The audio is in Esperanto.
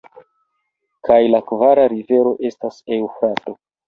Kaj la kvara rivero estas Eŭfrato.